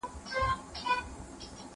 زه اجازه لرم چي جواب ورکړم،